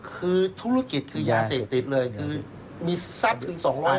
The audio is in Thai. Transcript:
คือธุรกิจคือยาเสกติดเลยคือมีทรัพย์ถึงสองร้อยล้าน